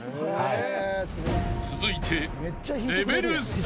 ［続いて］